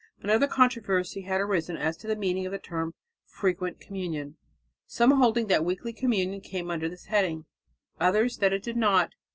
Another controversy had arisen as to the meaning of the term "frequent communion," some holding that weekly communion came under this heading, others that it did not.